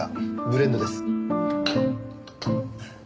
ブレンドです。